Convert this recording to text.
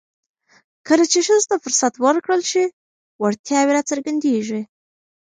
کله چې ښځو ته فرصت ورکړل شي، وړتیاوې راڅرګندېږي.